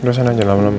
udah sana aja lama lama